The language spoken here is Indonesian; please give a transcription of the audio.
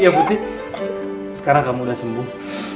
ya putih sekarang kamu udah sembuh